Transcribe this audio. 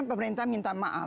pemerintah minta maaf